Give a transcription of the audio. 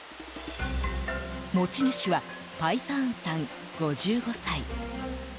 持ち主はパイサーンさん、５５歳。